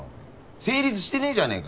成立してねぇじゃねぇか。